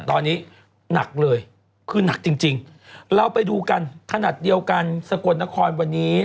ตอนนี้หนักเลยคือหนักจริงจริงเราไปดูกันขนาดเดียวกันสกลนครวันนี้